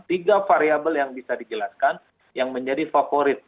tiga variable yang bisa dijelaskan yang menjadi favorit